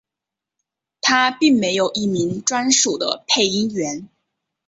它并没有一名专属的配音员。